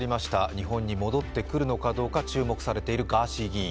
日本に戻ってくるのかどうか注目されているガーシー議員。